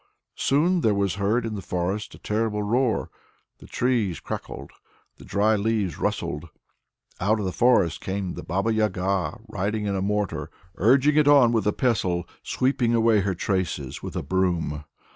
Soon there was heard in the forest a terrible roar. The trees cracked, the dry leaves rustled; out of the forest came the Baba Yaga, riding in a mortar, urging it on with a pestle, sweeping away her traces with a broom.